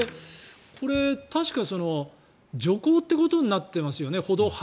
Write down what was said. これ、確か徐行ってことになってますよね。